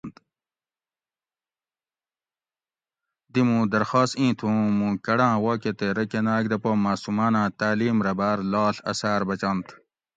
دی مُوں درخواست اِیں تھُو اُوں مُوں کۤڑاۤں واکہ تے رکۤہ ناۤگ دہ پا ماۤسوماۤناۤں تعلیم رہ باۤر لاڷ اۤثاۤر بچنت